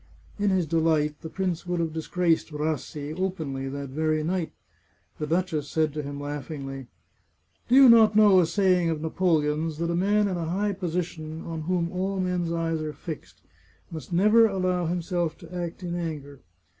In his delight, the prince would have disgraced Rassi openly that very night. The duchess said to him laughingly :" Do not you know a saying of Napoleon's, that a man in a high position, on whom all men's eyes are fixed, must never allow himself to act in anger?